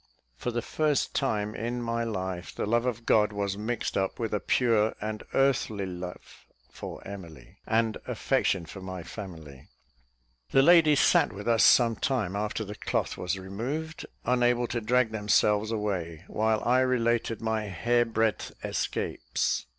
For the first time in my life, the love of God was mixed up with a pure and earthly love for Emily, and affection for my family. The ladies sat with us some time after the cloth was removed, unable to drag themselves away, while I related my "hair breadth escapes."